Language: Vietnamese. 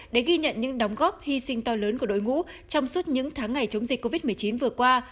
để ghi nhận những đóng góp hy sinh to lớn của đội ngũ trong suốt những tháng ngày chống dịch covid một mươi chín vừa qua